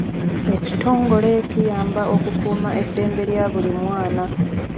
Ekitongole kiyamba okukuuma eddembe lya buli mwana.